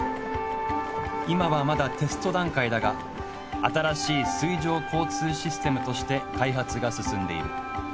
今はまだテスト段階だが新しい水上交通システムとして開発が進んでいる。